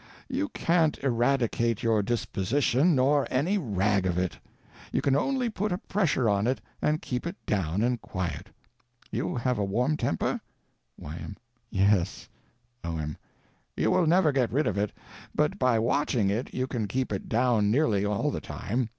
_You can't eradicate your disposition nor any rag of it _—you can only put a pressure on it and keep it down and quiet. You have a warm temper? Y.M. Yes. O.M. You will never get rid of it; but by watching it you can keep it down nearly all the time.